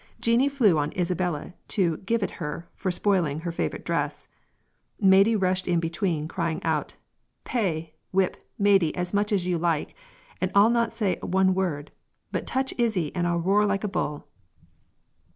Jeanie flew on Isabella to 'give it her' for spoiling her favorite's dress; Maidie rushed in between, crying out, 'Pay (whip) Maidie as much as you like, and I'll not say one word; but touch Isy, and I'll roar like a bull!'